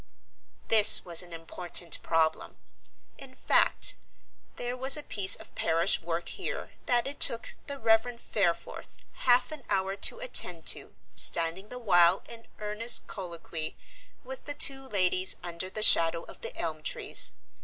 This was an important problem. In fact, there was a piece of parish work here that it took the Reverend Fareforth half an hour to attend to standing the while in earnest colloquy with the two ladies under the shadow of the elm trees.